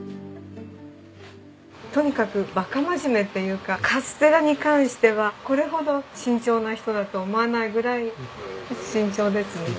とにかくバカ真面目っていうかカステラに関してはこれほど慎重な人だと思わないぐらい慎重ですね。